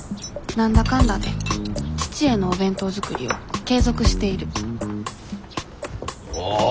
何だかんだで父へのお弁当作りを継続しているおっ